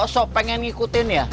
so pengen ngikutin ya